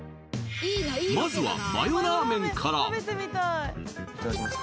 まずはマヨらめんからいただきます